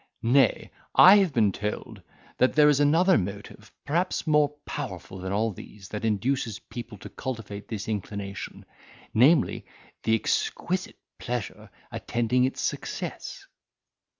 Nay, I have been told, that there is another motive perhaps more powerful than all these, that induces people to cultivate this inclination; namely, the exquisite pleasure attending its success."